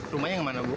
rumahnya yang mana ibu